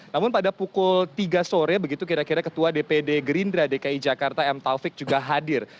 namun pada pukul tiga sore begitu kira kira ketua dpd gerindra dki jakarta m taufik juga hadir